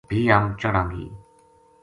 بھی ہم چڑھاں گی